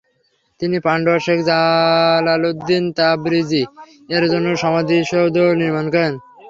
তিনি পান্ডুয়ায় শেখ জালালুদ্দীন তাবরিজি এর জন্য সমাধিসৌধ নির্মাণ করেন।